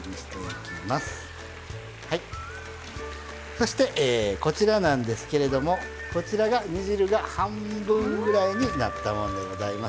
そしてこちらなんですけれどもこちらが煮汁が半分ぐらいになったもんでございます。